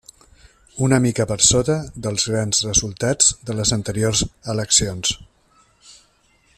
Una mica per sota dels grans resultats de les anteriors eleccions.